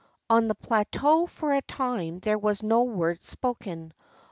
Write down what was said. On the plateau for a time there was no word spoken.